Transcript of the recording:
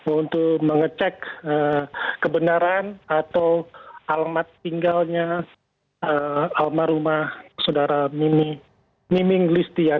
untuk mengecek kebenaran atau alamat tinggalnya almarhumah saudara miming listian